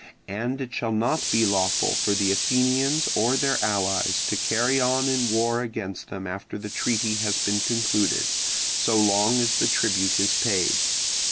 And it shall not be lawful for the Athenians or their allies to carry on war against them after the treaty has been concluded, so long as the tribute is paid.